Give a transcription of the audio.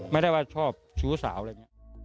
ไม่ได้ว่าชอบชูสาวครับ